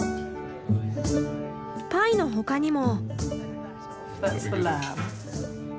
パイの他にも。